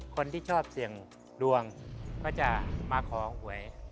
คนที่ชอบเสี่ยงดวงก็จะมาขอหวย